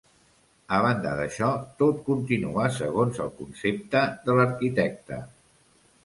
A banda d'això, tot continua segons el concepte de l'arquitecte.